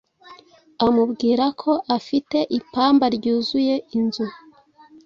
amubwira ko afite ipamba ryuzuye inzu